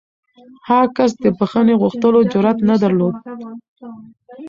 هغه کس د بښنې غوښتلو جرات نه درلود.